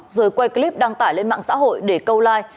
rồi quay clip đăng tải lên mạng xã hội để câu like